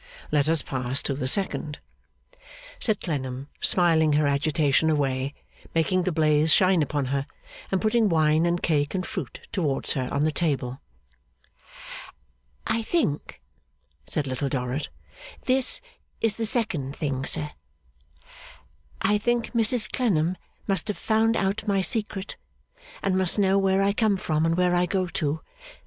Let us pass to the second,' said Clennam, smiling her agitation away, making the blaze shine upon her, and putting wine and cake and fruit towards her on the table. 'I think,' said Little Dorrit 'this is the second thing, sir I think Mrs Clennam must have found out my secret, and must know where I come from and where I go to.